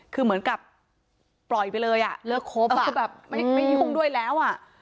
คือเหมือนกับปล่อยไปเลยอ่ะเลิกครบคือแบบไม่ยุ่งด้วยแล้วอ่ะ